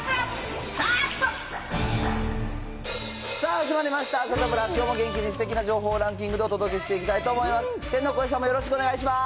さあ始まりました、サタプラ、きょうも元気にすてきな情報をランキングでお届けしていきたいと思います。